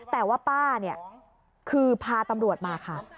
แต่ว่าป้าเนี่ยคือพาตำรวจมาค่ะ